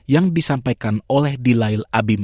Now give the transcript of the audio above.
yang diberikan oleh sbi com